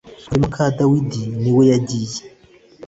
wari muka Dawidi niwe yagiye.